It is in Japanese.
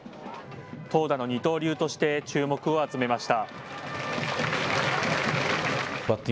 投打の二刀流として注目を集めました。